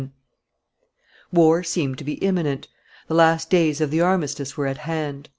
War seemed to be imminent; the last days of the armistice were at hand.